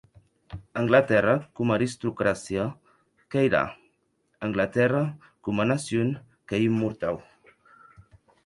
Anglatèrra, coma aristocràcia, queirà; Anglatèrra, coma nacion, qu’ei immortau.